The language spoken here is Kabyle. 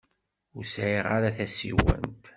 Ur sɛiɣ ara tasiwant.